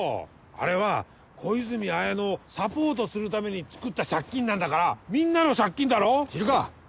あれは小泉文乃をサポートするためにつくった借金なんだからみんなの借金だろ？知るか！